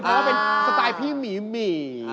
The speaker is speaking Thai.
เพราะเป็นสไตล์พี่หมีหมี